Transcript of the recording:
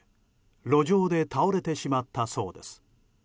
路上で倒れてしまったそうです。